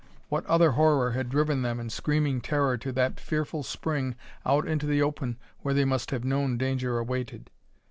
What other horror had driven them in screaming terror to that fearful spring out into the open where they must have known danger awaited?